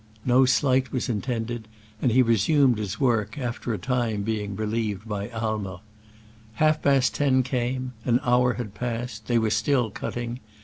'* No slight was intended, and he resumed his work, after a time being relieved by Aimer. Half past ten came: an hour had passed — they were still cutting.